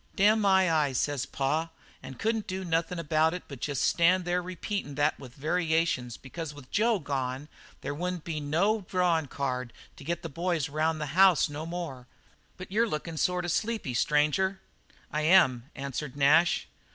"'Damn my eyes!' says pa, an' couldn't do nuthin' but just stand there repeatin' that with variations because with Jo gone there wouldn't be no drawin' card to get the boys around the house no more. But you're lookin' sort of sleepy, stranger?" "I am," answered Nash.